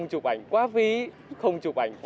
thì bạn nữ sẽ chụp giúp mình